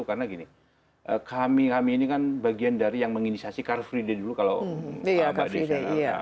karena gini kami ini kan bagian dari yang menginisiasi car free day dulu kalau mbak desa